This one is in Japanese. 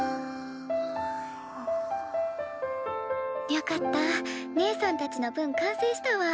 よかったねえさんたちの分完成したわ。